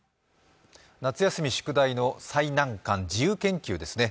夏休み、宿題の最難関、自由研究ですね。